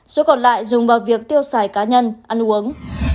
số còn lại dùng vào việc tiêu xài cá nhân ăn uống